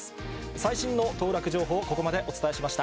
最新の当落情報、ここまでお伝えしました。